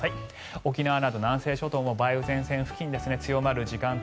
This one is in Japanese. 沖縄など南西諸島も梅雨前線付近、強まる時間帯